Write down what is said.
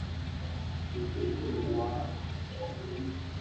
debe iwu a